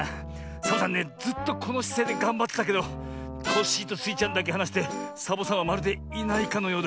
サボさんねずっとこのしせいでがんばってたけどコッシーとスイちゃんだけはなしてサボさんはまるでいないかのようだ。